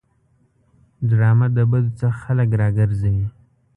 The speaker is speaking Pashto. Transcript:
ډرامه د بدو څخه خلک راګرځوي